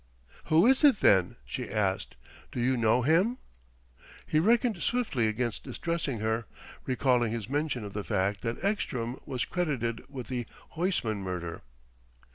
"Who is it, then?" she asked. "Do you know him?" He reckoned swiftly against distressing her, recalling his mention of the fact that Ekstrom was credited with the Huysman murder.